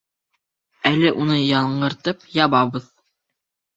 Әле уны яңыртып ябабыҙ.